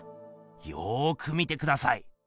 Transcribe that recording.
よく見てください。